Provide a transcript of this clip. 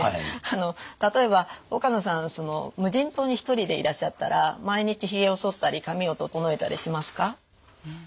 あの例えば岡野さんその無人島に１人でいらっしゃったら毎日ひげをそったり髪を整えたりしますか？